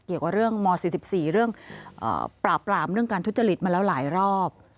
เกี่ยวกับเรื่องม๔๔เรื่องปราบปรามเรื่องการทุจริตมาแล้วหลายรอบ